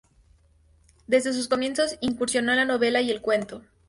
Desde sus comienzos incursionó en la novela y el cuento.